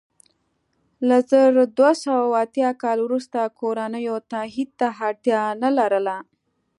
له زر دوه سوه اتیا کال وروسته کورنیو تایید ته اړتیا نه لرله.